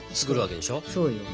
そうよ。